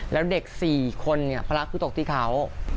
แล้วเด็ก๔คนเนี่ยภาระคือตกที่เขา